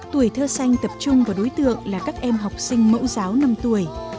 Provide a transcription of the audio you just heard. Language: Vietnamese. tuổi thơ xanh tập trung vào đối tượng là các em học sinh mẫu giáo năm tuổi